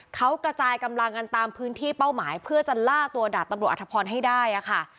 เขากระจายกำลังกันตามพื้นที่เป้าหมายเพื่อจะล่าตัวดาบตำรวจอัธพรให้ได้ค่ะ